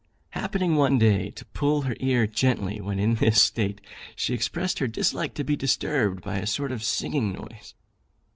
Happening one day to pull her ear gently when in this state, she expressed her dislike to be disturbed by a sort of singing noise.